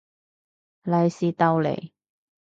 利是逗來